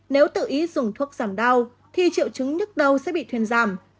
nếu tự ý dùng thuốc giảm đau thì triệu chứng nhức đầu sẽ bị thuyên giảm